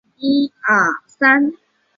节目以嘉宾盲品的形式对菜品进行评论。